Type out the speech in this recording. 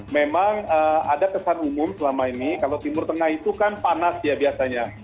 memang ada kesan umum selama ini kalau timur tengah itu kan panas ya biasanya